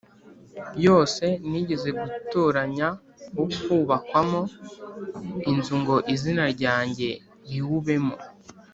yose nigeze gutoranya wo kubakwamo inzu ngo izina ryanjye riwubemo